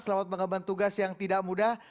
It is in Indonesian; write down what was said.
selamat mengembang tugas yang tidak mudah